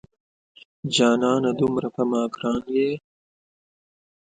جانانه دومره په ما ګران یې